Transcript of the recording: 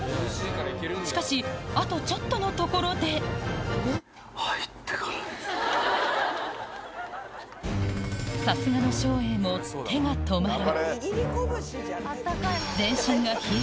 しかしあとちょっとのところでさすがの照英も頑張れ！